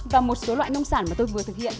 và một số loại nông sản mà tôi vừa thực hiện